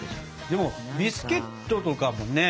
でもビスケットとかもね